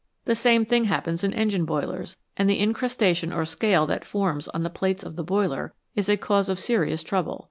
The same thing happens in engine boilers, and the incrustation or scale that forms on the plates of the boiler is a cause of serious trouble.